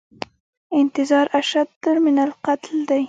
انتظار اشد من القتل دی